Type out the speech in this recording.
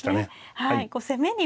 はい。